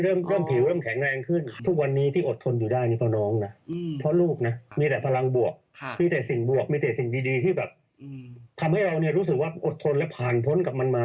ต้องเป็นคนรอบคร่างเราที่เขาแบบอดทนกับเราสู้กับเรา